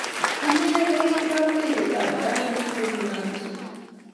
Inye ii u lapkeiyetap tait ne ikwenyi olatugul